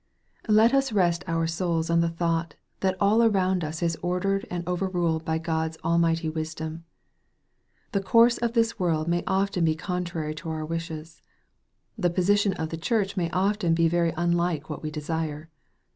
Let us rest our souls on the thought, that all around us is ordered and overruled by God's almighty wisdom. The course of this world may often be contrary to our wishes. The position of the Church may often be very unlike what we desire.